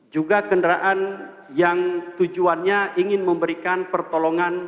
juga kendaraan yang tujuannya ingin memberikan pertolongan